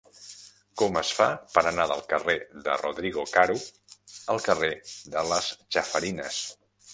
Com es fa per anar del carrer de Rodrigo Caro al carrer de les Chafarinas?